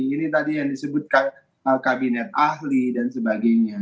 ini tadi yang disebutkan kabinet ahli dan sebagainya